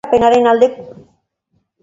Aurrerapenaren aldeko apostua ian zen.